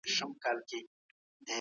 ډیپسیک د سیالۍ بڼه بدله کړه.